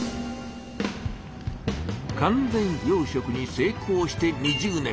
完全養しょくに成功して２０年。